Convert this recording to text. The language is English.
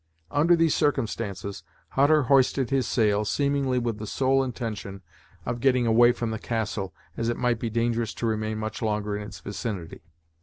Under these circumstances, Hutter hoisted his sail, seemingly with the sole intention of getting away from the castle, as it might be dangerous to remain much longer in its vicinity.